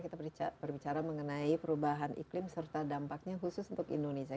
kita berbicara mengenai perubahan iklim serta dampaknya khusus untuk indonesia